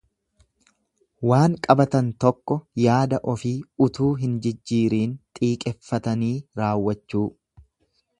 Waan qabatan tokko yaada ofii utuu hin jijjiiriin Xiiqeffatanii raawwachuu.